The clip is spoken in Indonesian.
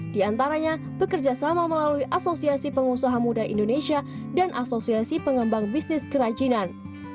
di antaranya bekerja sama melalui asosiasi pengusaha muda indonesia dan asosiasi pengembang bisnis kerajinan